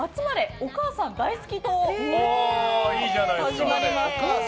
お母さん大好き党が始まります。